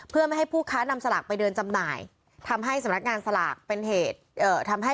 ต้องใส่หน้ากากตลอดเวลา